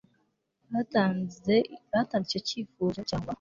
batanze icyo kifuzo cyangwa